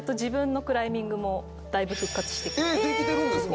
えっできてるんですか？